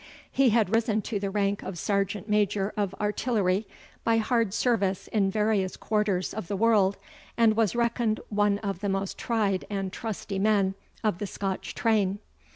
He had risen to the rank of sergeant major of artillery, by hard service in various quarters of the world, and was reckoned one of the most tried and trusty men of the Scotch Train.